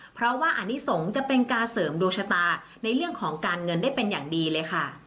เพราะว่าอนิสงฆ์จะเป็นการเสริมดวงชะตาในเรื่องของการเงินได้เป็นอย่างดีเลยค่ะ